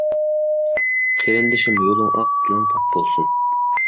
قېرىندىشىم، يولۇڭ ئاق، دىلىڭ پاك بولسۇن!